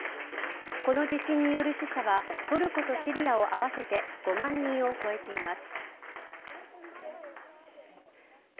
この地震による死者はトルコとシリアを合わせて５万人を超えています。